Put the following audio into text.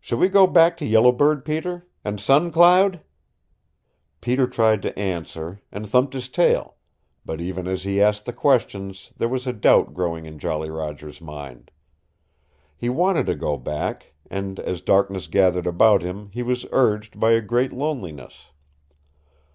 Shall we go back to Yellow Bird, Peter? And Sun Cloud?" Peter tried to answer, and thumped his tail, but even as he asked the questions there was a doubt growing in Jolly Roger's mind. He wanted to go back, and as darkness gathered about him he was urged by a great loneliness.